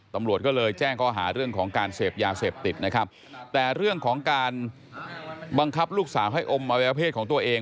ตำรวจก็เลยแจ้งข้อหาเรื่องของการเสพยาเสพติดนะครับแต่เรื่องของการบังคับลูกสาวให้อมอวัยวเพศของตัวเอง